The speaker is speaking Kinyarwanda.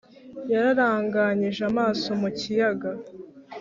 yararanganyije amaso mu kiyaga